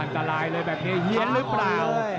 อันตรายเลยแบบนี้เฮียนหรือเปล่า